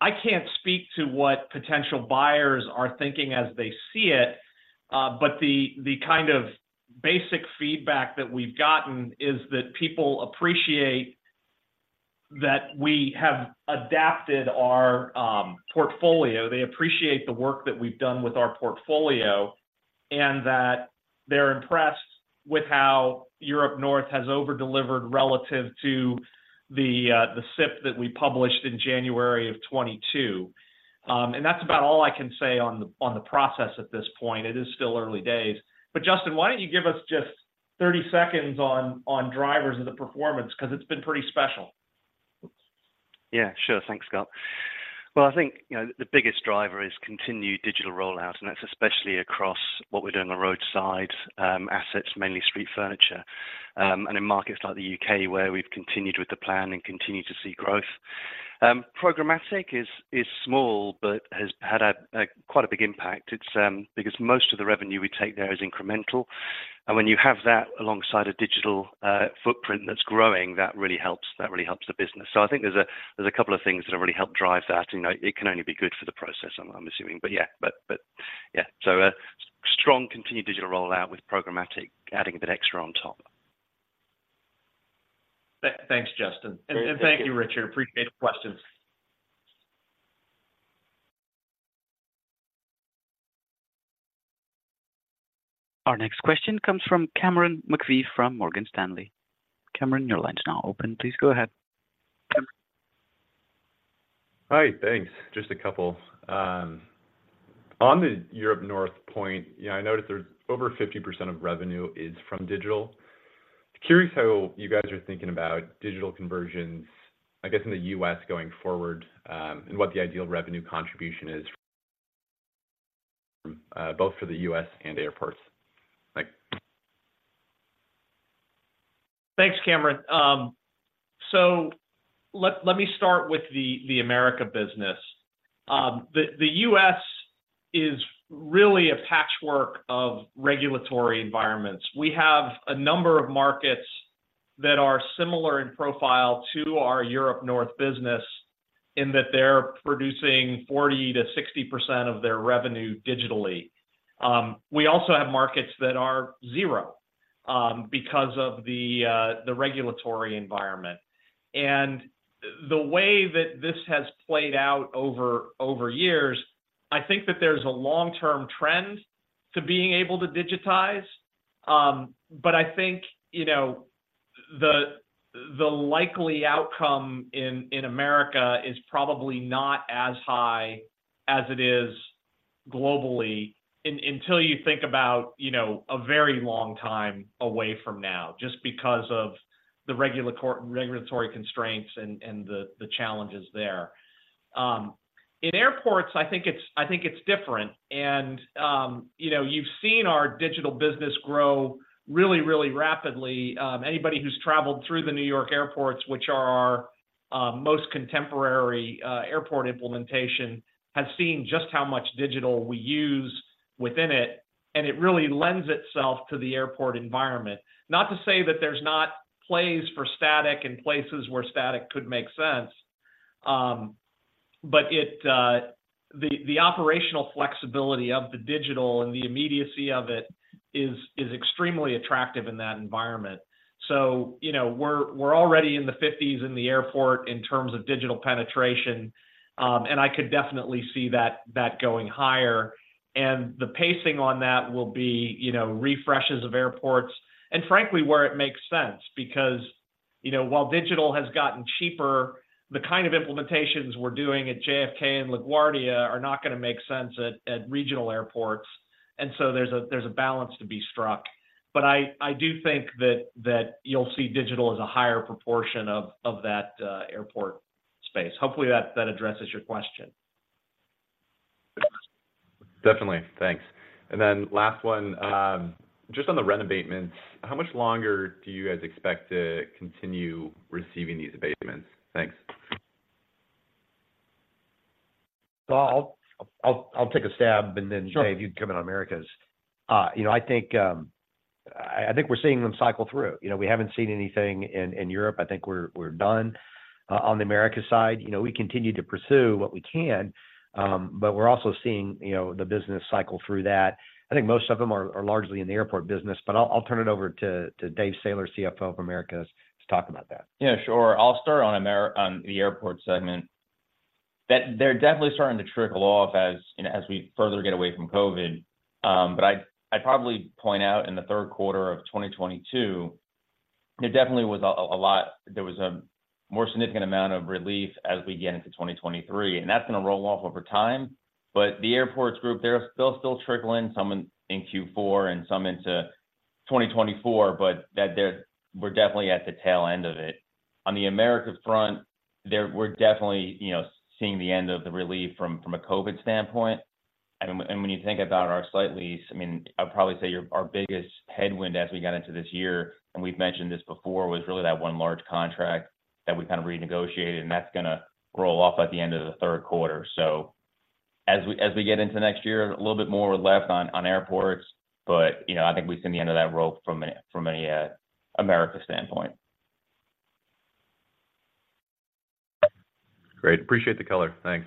I can't speak to what potential buyers are thinking as they see it, but the kind of basic feedback that we've gotten is that people appreciate that we have adapted our portfolio. They appreciate the work that we've done with our portfolio, and that they're impressed with how Europe North has over-delivered relative to the SIP that we published in January of 2022. And that's about all I can say on the process at this point. It is still early days. But Justin, why don't you give us just 30 seconds on drivers of the performance, 'cause it's been pretty special. Yeah, sure. Thanks, Scott. Well, I think, you know, the biggest driver is continued digital rollout, and that's especially across what we're doing on the roadside assets, mainly street furniture. And in markets like the UK, where we've continued with the plan and continue to see growth. Programmatic is small, but has had a quite a big impact. It's because most of the revenue we take there is incremental, and when you have that alongside a digital footprint that's growing, that really helps. That really helps the business. So I think there's a couple of things that have really helped drive that. You know, it can only be good for the process, I'm assuming. But yeah. So a strong continued digital rollout with programmatic adding a bit extra on top. Thanks, Justin. And thank you, Richard. Appreciate the questions. Our next question comes from Cameron McVeigh from Morgan Stanley. Cameron, your line is now open. Please go ahead. Hi, thanks. Just a couple. On the Europe North point, yeah, I noticed there's over 50% of revenue is from digital. Curious how you guys are thinking about digital conversions, I guess, in the U.S. going forward, and what the ideal revenue contribution is, both for the U.S. and airports. Thanks. Thanks, Cameron. So let me start with the America business. The U.S. is really a patchwork of regulatory environments. We have a number of markets that are similar in profile to our Europe North business, in that they're producing 40%-60% of their revenue digitally. We also have markets that are zero because of the regulatory environment. The way that this has played out over years, I think that there's a long-term trend to being able to digitize. But I think, you know, the likely outcome in America is probably not as high as it is globally until you think about, you know, a very long time away from now, just because of the regulatory constraints and the challenges there. In airports, I think it's different. You know, you've seen our digital business grow really, really rapidly. Anybody who's traveled through the New York airports, which are our most contemporary airport implementation, has seen just how much digital we use within it, and it really lends itself to the airport environment. Not to say that there's not plays for static and places where static could make sense, but it, the operational flexibility of the digital and the immediacy of it is extremely attractive in that environment. So, you know, we're already in the 50s in the airport in terms of digital penetration, and I could definitely see that going higher. And the pacing on that will be, you know, refreshes of airports, and frankly, where it makes sense because-... You know, while digital has gotten cheaper, the kind of implementations we're doing at JFK and LaGuardia are not gonna make sense at, at regional airports, and so there's a, there's a balance to be struck. But I, I do think that, that you'll see digital as a higher proportion of, of that, airport space. Hopefully, that, that addresses your question. Definitely. Thanks. And then last one, just on the rent abatements, how much longer do you guys expect to continue receiving these abatements? Thanks. So I'll take a stab, and then- Sure Dave, you can come in on Americas. You know, I think I think we're seeing them cycle through. You know, we haven't seen anything in Europe. I think we're done. On the Americas side, you know, we continue to pursue what we can, but we're also seeing, you know, the business cycle through that. I think most of them are largely in the airport business, but I'll turn it over to Dave Sailer, CFO of Americas, to talk about that. Yeah, sure. I'll start on Amer- on the airport segment. They're definitely starting to trickle off as, you know, as we further get away from COVID. But I'd probably point out, in the Q3 of 2022, there definitely was a more significant amount of relief as we get into 2023, and that's gonna roll off over time. But the airports group, they're still trickling, some in Q4 and some into 2024, but we're definitely at the tail end of it. On the Americas front, we're definitely, you know, seeing the end of the relief from a COVID standpoint. And when you think about our site lease, I mean, I'd probably say our biggest headwind as we got into this year, and we've mentioned this before, was really that one large contract that we kind of renegotiated, and that's gonna roll off at the end of the Q3. So as we get into next year, a little bit more left on airports, but, you know, I think we've seen the end of that rope from a Americas standpoint. Great. Appreciate the color. Thanks.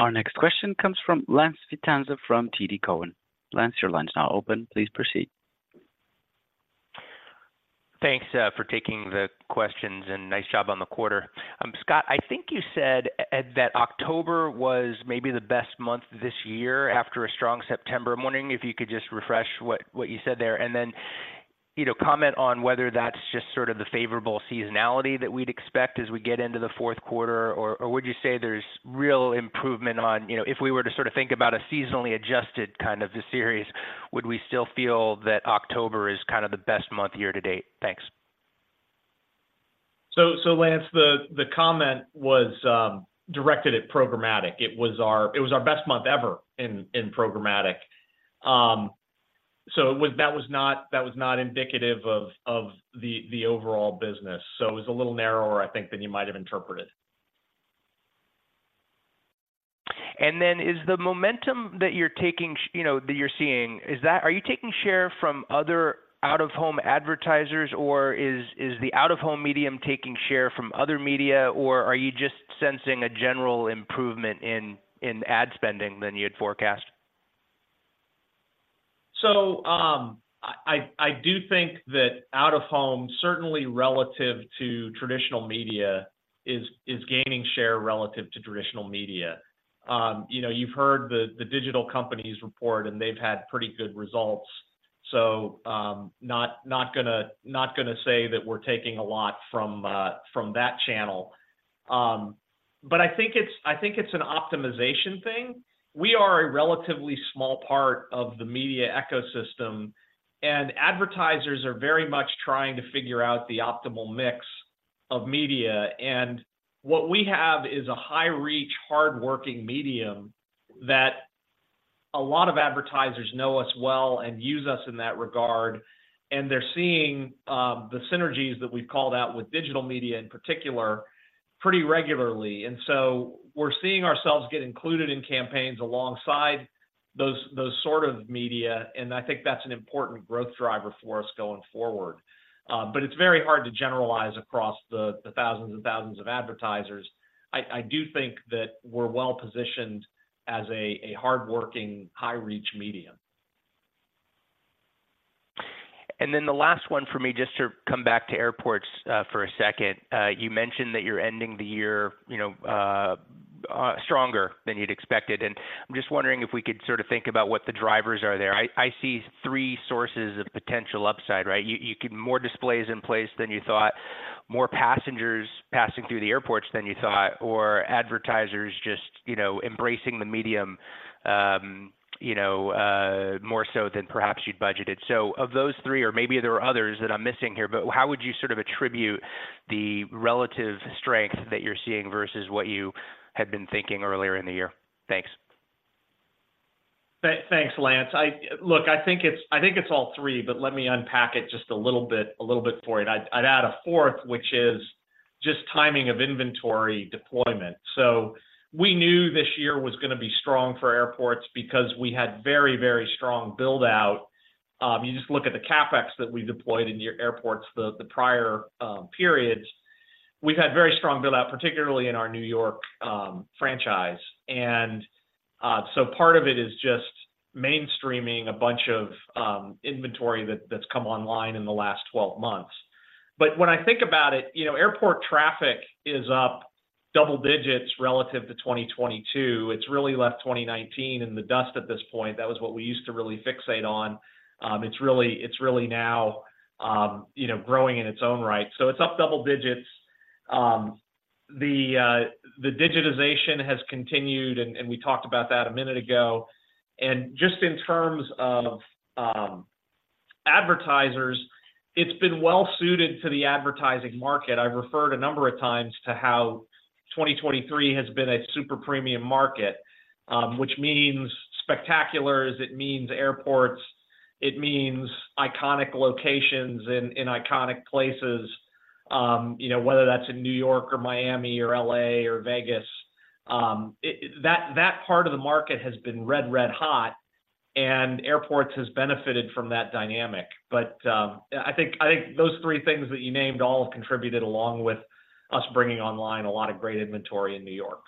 Our next question comes from Lance Vitanza, from TD Cowen. Lance, your line's now open. Please proceed. Thanks for taking the questions, and nice job on the quarter. Scott, I think you said that October was maybe the best month this year after a strong September. I'm wondering if you could just refresh what you said there, and then, you know, comment on whether that's just sort of the favorable seasonality that we'd expect as we get into the Q4, or would you say there's real improvement on... You know, if we were to sort of think about a seasonally adjusted kind of a series, would we still feel that October is kind of the best month year to date? Thanks. So, Lance, the comment was directed at programmatic. It was our best month ever in programmatic. So that was not indicative of the overall business, so it was a little narrower, I think, than you might have interpreted. Is the momentum, you know, that you're seeing, are you taking share from other out-of-home advertisers, or is the out-of-home medium taking share from other media, or are you just sensing a general improvement in ad spending than you had forecast? So, I do think that out-of-home, certainly relative to traditional media, is gaining share relative to traditional media. You know, you've heard the digital companies report, and they've had pretty good results. So, not gonna say that we're taking a lot from that channel. But I think it's an optimization thing. We are a relatively small part of the media ecosystem, and advertisers are very much trying to figure out the optimal mix of media. And what we have is a high-reach, hardworking medium that a lot of advertisers know us well and use us in that regard, and they're seeing the synergies that we've called out with digital media, in particular, pretty regularly. And so we're seeing ourselves get included in campaigns alongside those sort of media, and I think that's an important growth driver for us going forward. But it's very hard to generalize across the thousands and thousands of advertisers. I do think that we're well positioned as a hardworking, high-reach medium. And then the last one for me, just to come back to airports, for a second. You mentioned that you're ending the year, you know, stronger than you'd expected, and I'm just wondering if we could sort of think about what the drivers are there. I see three sources of potential upside, right? You get more displays in place than you thought, more passengers passing through the airports than you thought, or advertisers just, you know, more so than perhaps you'd budgeted. So of those three, or maybe there are others that I'm missing here, but how would you sort of attribute the relative strength that you're seeing versus what you had been thinking earlier in the year? Thanks. Thanks, Lance. Look, I think it's all three, but let me unpack it just a little bit for you. I'd add a fourth, which is just timing of inventory deployment. So we knew this year was gonna be strong for airports because we had very, very strong build-out. You just look at the CapEx that we deployed in the airports the prior periods. We've had very strong build-out, particularly in our New York franchise. And so part of it is just mainstreaming a bunch of inventory that's come online in the last 12 months.... But when I think about it, you know, airport traffic is up double digits relative to 2022. It's really left 2019 in the dust at this point. That was what we used to really fixate on. It's really, it's really now, you know, growing in its own right. So it's up double digits. The digitization has continued, and we talked about that a minute ago. Just in terms of advertisers, it's been well suited to the advertising market. I've referred a number of times to how 2023 has been a super premium market, which means spectaculars, it means airports, it means iconic locations in iconic places, you know, whether that's in New York or Miami or L.A. or Vegas. It, that part of the market has been red-hot, and airports has benefited from that dynamic. But I think, I think those three things that you named all have contributed, along with us bringing online a lot of great inventory in New York.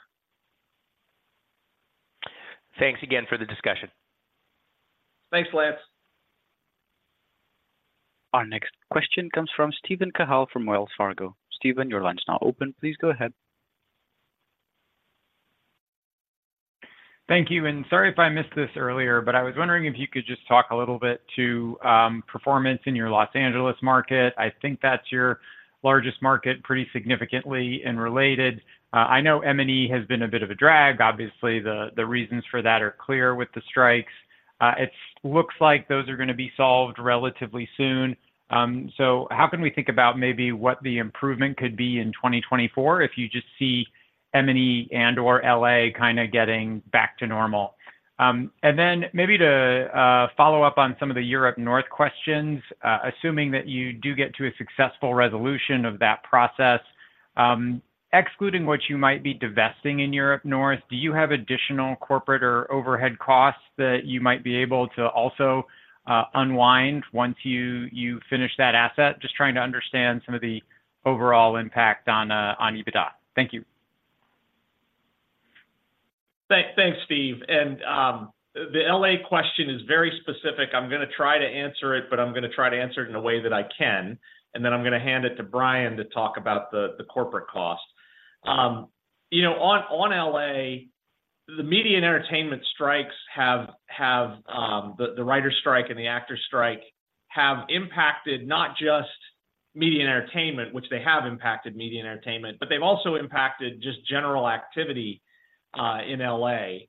Thanks again for the discussion. Thanks, Lance. Our next question comes from Steven Cahall from Wells Fargo. Steven, your line's now open. Please go ahead. Thank you, and sorry if I missed this earlier, but I was wondering if you could just talk a little bit to performance in your Los Angeles market. I think that's your largest market, pretty significantly and related. I know M&E has been a bit of a drag. Obviously, the reasons for that are clear with the strikes. It looks like those are gonna be solved relatively soon. So how can we think about maybe what the improvement could be in 2024, if you just see M&E and/or L.A. kinda getting back to normal? And then maybe to follow up on some of the Europe North questions, assuming that you do get to a successful resolution of that process, excluding what you might be divesting in Europe North, do you have additional corporate or overhead costs that you might be able to also unwind once you finish that asset? Just trying to understand some of the overall impact on EBITDA. Thank you. Thanks, Steve. The L.A. question is very specific. I'm gonna try to answer it, but I'm gonna try to answer it in a way that I can, and then I'm gonna hand it to Brian to talk about the corporate cost. You know, on L.A., the media and entertainment strikes have the writers' strike and the actors' strike have impacted not just media and entertainment, which they have impacted media and entertainment, but they've also impacted just general activity in L.A.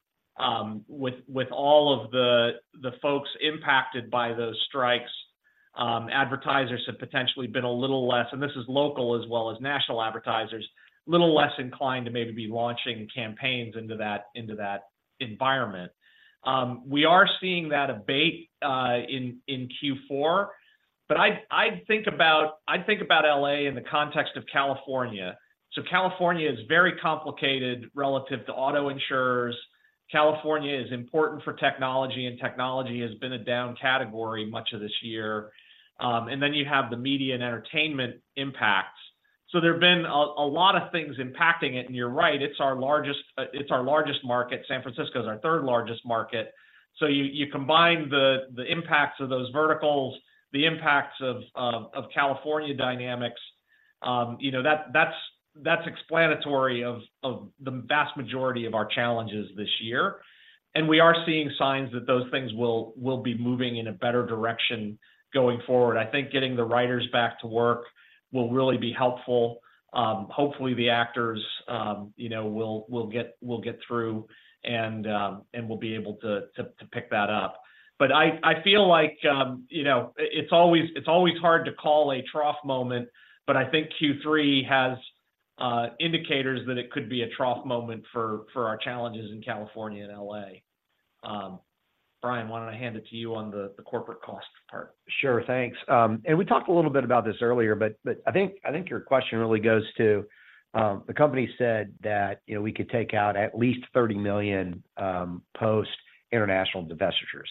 With all of the folks impacted by those strikes, advertisers have potentially been a little less, and this is local as well as national advertisers, a little less inclined to maybe be launching campaigns into that environment. We are seeing that abate in Q4, but I'd think about L.A. in the context of California. So California is very complicated relative to auto insurers. California is important for technology, and technology has been a down category much of this year. And then you have the media and entertainment impacts. So there have been a lot of things impacting it, and you're right, it's our largest market. San Francisco is our third largest market. So you combine the impacts of those verticals, the impacts of California dynamics, you know, that's explanatory of the vast majority of our challenges this year. And we are seeing signs that those things will be moving in a better direction going forward. I think getting the writers back to work will really be helpful. Hopefully, the actors, you know, will get through and will be able to pick that up. But I feel like, you know, it's always hard to call a trough moment, but I think Q3 has indicators that it could be a trough moment for our challenges in California and L.A. Brian, why don't I hand it to you on the corporate cost part? Sure, thanks. And we talked a little bit about this earlier, but I think your question really goes to the company said that, you know, we could take out at least $30 million post-international divestitures.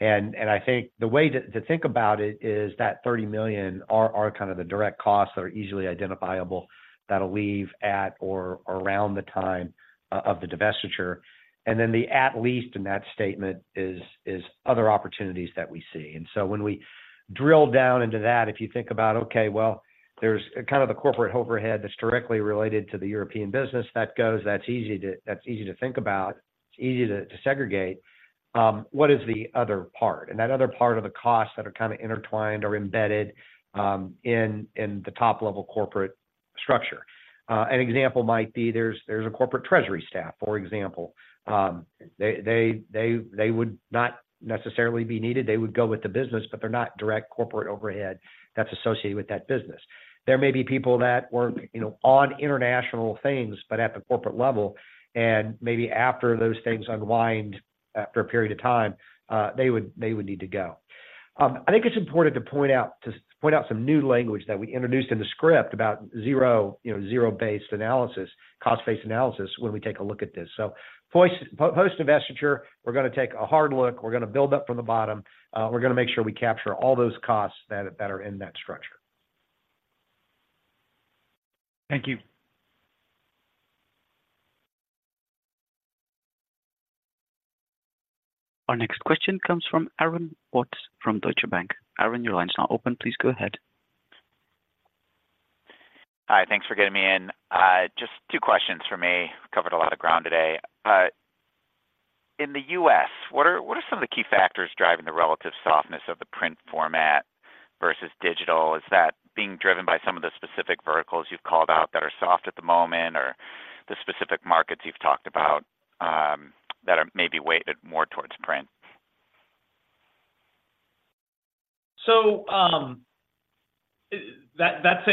And I think the way to think about it is that $30 million are kind of the direct costs that are easily identifiable, that'll leave at or around the time of the divestiture. And then the at least in that statement is other opportunities that we see. And so when we drill down into that, if you think about, okay, well, there's kind of the corporate overhead that's directly related to the European business that goes, that's easy to think about, it's easy to segregate. What is the other part? And that other part of the costs that are kind of intertwined or embedded in the top-level corporate structure. An example might be there's a corporate treasury staff, for example. They would not necessarily be needed. They would go with the business, but they're not direct corporate overhead that's associated with that business. There may be people that work, you know, on international things, but at the corporate level, and maybe after those things unwind for a period of time, they would need to go. I think it's important to point out some new language that we introduced in the script about zero-based analysis, cost-based analysis when we take a look at this. So post-divestiture, we're gonna take a hard look, we're gonna build up from the bottom. We're gonna make sure we capture all those costs that are in that structure. Thank you. ... Our next question comes from Aaron Watts from Deutsche Bank. Aaron, your line is now open. Please go ahead. Hi, thanks for getting me in. Just two questions for me. Covered a lot of ground today. In the U.S., what are, what are some of the key factors driving the relative softness of the print format versus digital? Is that being driven by some of the specific verticals you've called out that are soft at the moment, or the specific markets you've talked about, that are maybe weighted more towards print? So, that's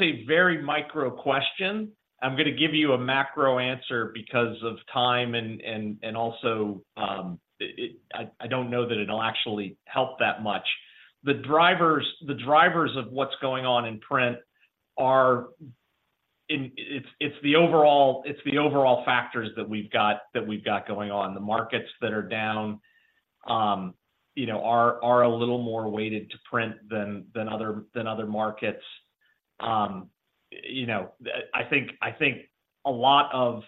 a very micro question. I'm gonna give you a macro answer because of time and also, I don't know that it'll actually help that much. The drivers of what's going on in print are the overall factors that we've got going on. The markets that are down, you know, are a little more weighted to print than other markets. You know, I think a lot of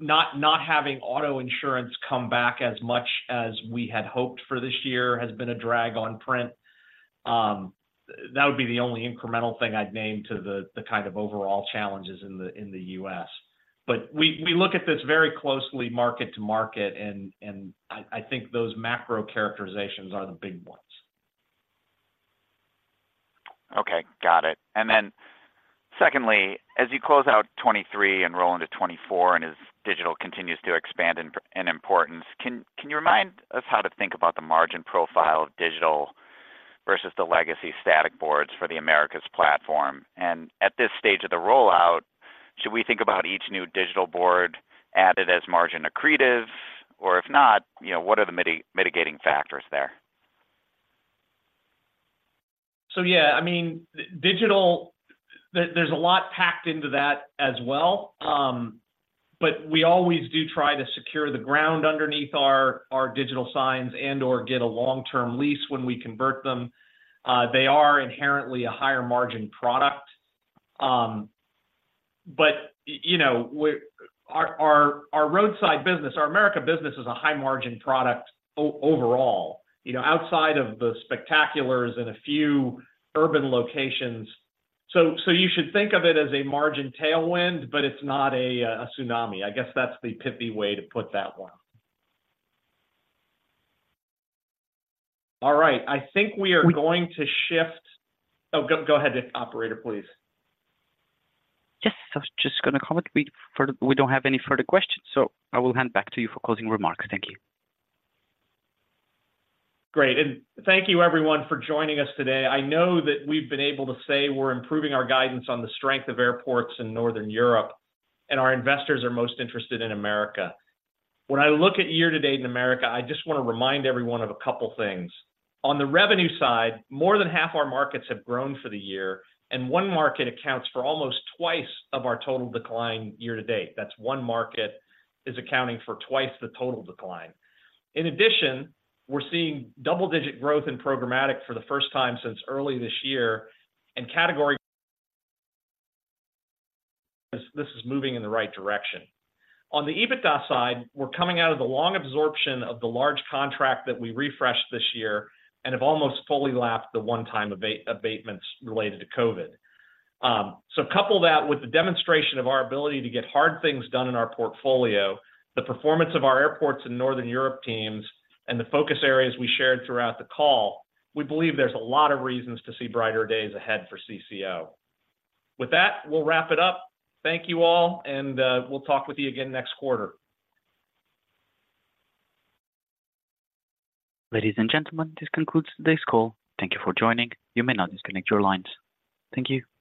not having auto insurance come back as much as we had hoped for this year has been a drag on print. That would be the only incremental thing I'd name to the kind of overall challenges in the U.S. But we look at this very closely market to market, and I think those macro characterizations are the big ones. Okay, got it. Then secondly, as you close out 2023 and roll into 2024, and as digital continues to expand in importance, can you remind us how to think about the margin profile of digital versus the legacy static boards for the Americas platform? And at this stage of the rollout, should we think about each new digital board added as margin accretive? Or if not, you know, what are the mitigating factors there? So yeah, I mean, digital, there, there's a lot packed into that as well. But we always do try to secure the ground underneath our digital signs and/or get a long-term lease when we convert them. They are inherently a higher margin product. But, you know, our roadside business, our America business is a high margin product overall, you know, outside of the spectaculars in a few urban locations. So you should think of it as a margin tailwind, but it's not a tsunami. I guess that's the pithy way to put that one. All right, I think we are going to shift... Oh, go ahead, operator, please. Yes, I was just gonna comment. We don't have any further questions, so I will hand back to you for closing remarks. Thank you. Great, and thank you everyone for joining us today. I know that we've been able to say we're improving our guidance on the strength of airports in Northern Europe, and our investors are most interested in America. When I look at year to date in America, I just wanna remind everyone of a couple things. On the revenue side, more than half our markets have grown for the year, and one market accounts for almost twice of our total decline year to date. That's one market is accounting for twice the total decline. In addition, we're seeing double-digit growth in programmatic for the first time since early this year, and this, this is moving in the right direction. On the EBITDA side, we're coming out of the long absorption of the large contract that we refreshed this year and have almost fully lapped the one-time abatements related to COVID. So couple that with the demonstration of our ability to get hard things done in our portfolio, the performance of our airports in Northern Europe teams, and the focus areas we shared throughout the call, we believe there's a lot of reasons to see brighter days ahead for CCO. With that, we'll wrap it up. Thank you all, and we'll talk with you again next quarter. Ladies and gentlemen, this concludes today's call. Thank you for joining. You may now disconnect your lines. Thank you.